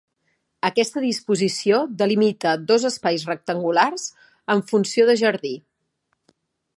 Aquesta disposició delimita dos espais rectangulars amb funció de jardí.